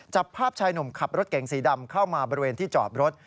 จับภาพชายหนุ่มขับรถเก๋งสีดำเข้ามาบริเวณที่จอดรถ